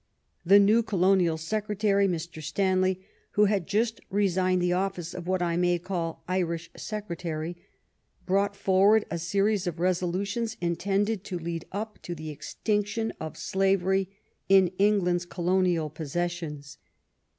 The new Colonial Secretary, Mr. Stanley, who had just resigned the office of what I may call Irish Secretary, brought forward a series of resolu tions intended to lead up to the extinction of slavery in England's colonial possessions.